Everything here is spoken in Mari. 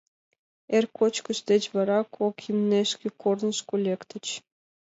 Эр кочкыш деч вара кок имнешке корнышко лектыч.